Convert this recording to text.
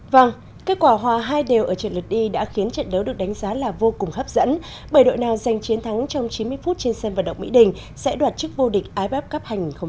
vâng kết quả hòa hai đều ở trận lượt đi đã khiến trận đấu được đánh giá là vô cùng hấp dẫn bởi đội nào giành chiến thắng trong chín mươi phút trên sân vận động mỹ đình sẽ đoạt chức vô địch if cup hai nghìn một mươi chín